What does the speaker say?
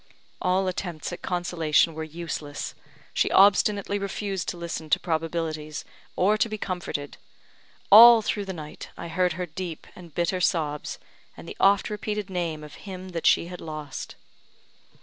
All attempts at consolation were useless; she obstinately refused to listen to probabilities, or to be comforted. All through the night I heard her deep and bitter sobs, and the oft repeated name of him that she had lost.